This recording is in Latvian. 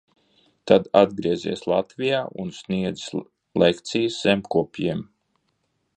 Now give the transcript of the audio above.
Tad atgriezies Latvijā un sniedzis lekcijas zemkopjiem.